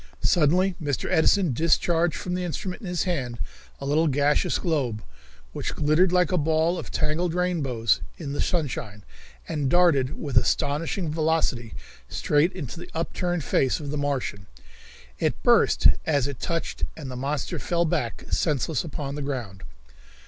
Suddenly Mr. Edison discharged from the instrument in his hand a little gaseous globe, which glittered like a ball of tangled rainbows in the sunshine, and darted with astonishing velocity straight into the upturned face of the Martian. It burst as it touched and the monster fell back senseless upon the ground.